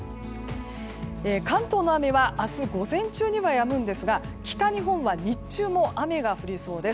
関東の雨は明日、午前中にはやみますが北日本は日中も雨が降りそうです。